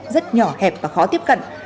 rất nhỏ hẹp và khó tiếp cận